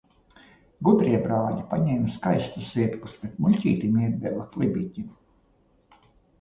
Gudrie brāļi paņēma skaistus zirgus, bet muļķītim iedeva klibiķi.